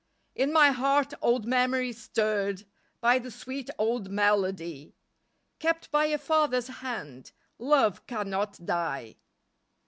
In my heart old memories stirred By the sweet old melody, "Kept by a Father's hand," "Love cannot die."